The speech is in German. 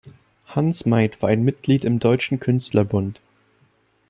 Hans Meid war Mitglied im Deutschen Künstlerbund.